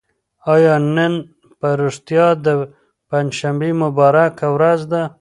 آیا نن په رښتیا د پنجشنبې مبارکه ورځ ده؟